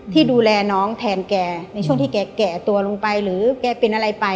ที่ดูแลน้องแทนแกในช่วงที่แกแก่ตัวลงไปหรือแกเป็นอะไรไป